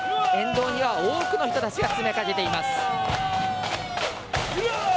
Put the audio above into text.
沿道には多くの人たちが詰めかけています。